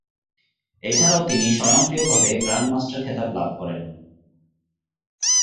এছাড়াও তিনি স্বয়ংক্রিয়ভাবে গ্র্যান্ড মাস্টার খেতাব লাভ করেন।